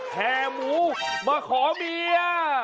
แห่หมูมาขอเมีย